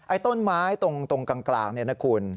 ไอ้ต้นไม้ตรงกลางนี่นะคุณ